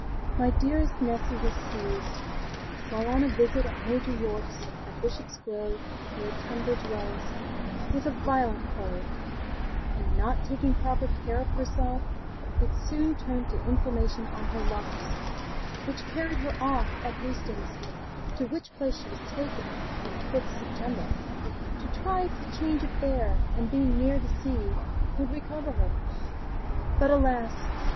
'My dearest Nessy was seized, while on a visit at Major Yorke's, at Bishop's Grove near Tonbridge Wells, with a violent cold, and not taking proper care of herself, it soon turned to inflammation on her lungs, which carried her off at Hastings, to which place she was taken on the 5th September, to try if the change of air, and being near the sea, would recover her; but alas!